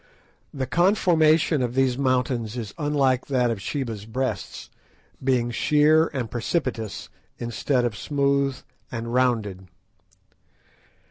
The conformation of these mountains is unlike that of Sheba's Breasts, being sheer and precipitous, instead of smooth and rounded.